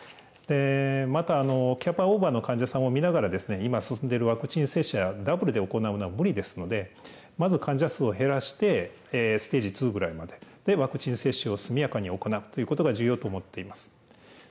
また、キャパオーバーの患者さんを診ながら今進んでいるワクチン接種をダブルで行うのは無理ですので、まず患者数を減らして、ステージ２ぐらいまで、ワクチン接種を速やかに行うということが重要と思っています。